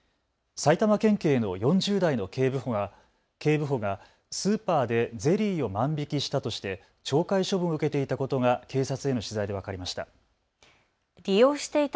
埼玉県警の４０代の警部補がスーパーでゼリーを万引きしたとして懲戒処分を受けていたことが警察への取材で分かりました。